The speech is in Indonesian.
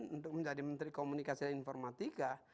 untuk menjadi menteri komunikasi dan informatika